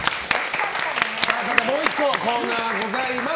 ただ、もう１個のコーナーがございます。